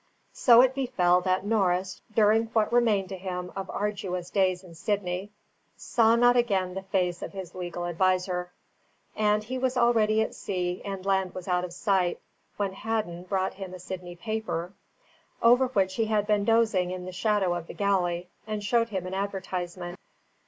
So it befell that Norris during what remained to him of arduous days in Sydney, saw not again the face of his legal adviser; and he was already at sea, and land was out of sight, when Hadden brought him a Sydney paper, over which he had been dozing in the shadow of the galley, and showed him an advertisement.